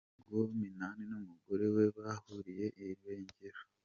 Ngo Minani n’umugore we baburiwe irengero.